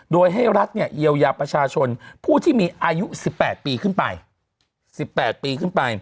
โดยให้รัฐเยียวยาประชาชนผู้ที่มีอายุ๑๘ปีขึ้นไป